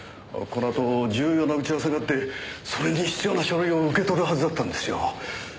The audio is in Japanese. このあと重要な打ち合わせがあってそれに必要な書類を受け取るはずだったんですよ。